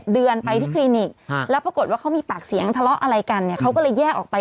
เดือนไปที่คลินิกแล้วปรากฏว่าเขามีปากเสียงทะเลาะอะไรกันเนี่ยเขาก็เลยแยกออกไป